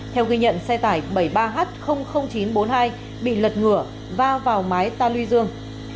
theo ghi nhận xe tải bảy mươi ba h chín trăm bốn mươi hai bị lật ngửa va vào mái ta luy dương